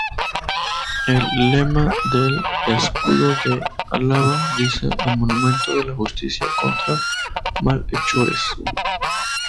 El lema del escudo de Álava dice ""En aumento de la justicia contra malhechores"".